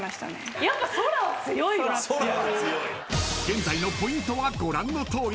［現在のポイントはご覧のとおり］